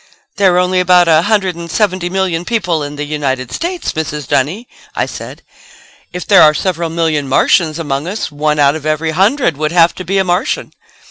"There are only about a hundred and seventy million people in the United States, Mrs. Dunny," I said. "If there are several million Martians among us, one out of every hundred would have to be a Martian."